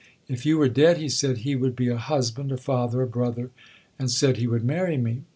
If you were dead, he said, he would be a husband, a father, a brother, and said he would marry me.